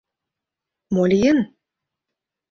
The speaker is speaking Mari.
Мо лийын?..